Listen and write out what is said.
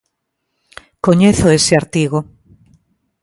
Coñezo ese artigo.